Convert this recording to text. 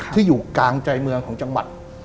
ที่อยู่กลางใจเมืองของจังหวัด